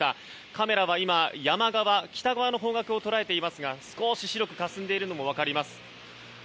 カメラは山側、北側の方角を捉えていますが少し白くかすんでいるのも分かります。